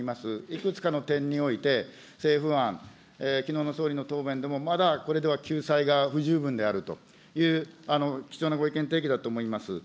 いくつかの点において、政府案、きのうの総理の答弁でもまだこれでは救済が不十分であるという、貴重なご意見提起だと思います。